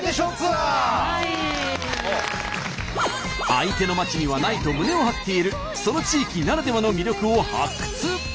相手のまちにはないと胸を張って言えるその地域ならではの魅力を発掘。